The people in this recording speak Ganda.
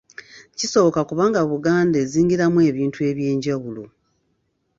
Kisoboka kubanga Buganda ezingiramu ebintu eby'enjawulo.